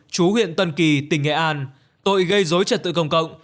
chú huyện tân kỳ tỉnh nghệ an tội gây dối trật tự công cộng